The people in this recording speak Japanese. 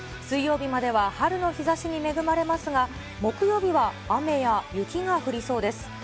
水曜日までは春の日ざしに恵まれますが、木曜日は雨や雪が降りそうです。